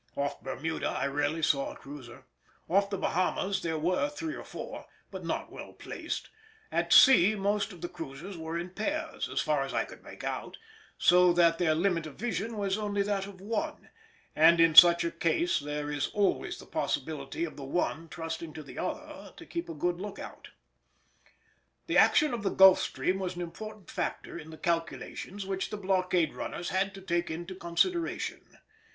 Off Bermuda I rarely saw a cruiser; off the Bahamas there were three or four, but not well placed; at sea most of the cruisers were in pairs, as far as I could make out; so that their limit of vision was only that of one, and in such a case there is always the possibility of the one trusting to the other to keep a good look out. The action of the Gulf stream was an important factor in the calculations which the blockade runners had to take into consideration.